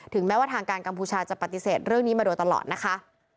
แม้ว่าทางการกัมพูชาจะปฏิเสธเรื่องนี้มาโดยตลอดนะคะ